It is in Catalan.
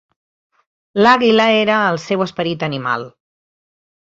L'àguila era el seu esperit animal.